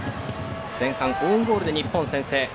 前半オウンゴールで日本、先制。